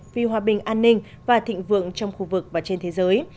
phi hoa bình an ninh và thịnh vượng trong khu vực và trên thế giới